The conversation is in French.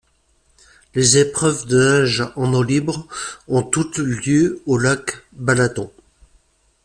Les épreuves de nage en eau libre ont toutes lieues au lac Balaton.